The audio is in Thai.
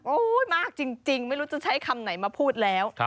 มากจริงไม่รู้จะใช้คำไหนมาพูดแล้ว